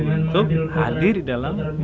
untuk hadir di dalam